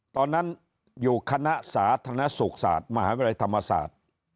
ตอนนั้นอยู่คณะสาธารณสุขศาสตร์มหาวิทยาลัยธรรมศาสตร์